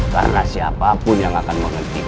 karena siapapun yang akan menghentikanku